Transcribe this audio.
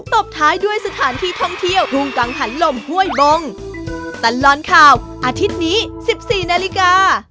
ตบท้ายด้วยสถานที่ท่องเที่ยวทุ่งกังหันลมห้วยบงตลอดข่าวอาทิตย์นี้สิบสี่นาฬิกา